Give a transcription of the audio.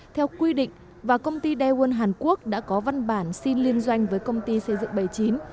theo quy định và công ty daewon hàn quốc đã có văn bản xin liên doanh với công ty xây dựng bảy mươi chín